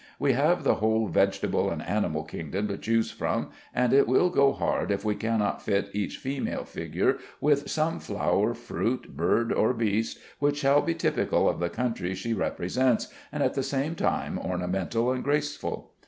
We have the whole vegetable and animal kingdom to choose from, and it will go hard if we cannot fit each female figure with some flower, fruit, bird, or beast, which shall be typical of the country she represents and at the same time ornamental and graceful.